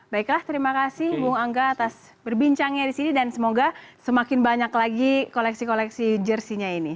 baiklah terima kasih bu angga atas berbincangnya di sini dan semoga semakin banyak lagi koleksi koleksi jersinya ini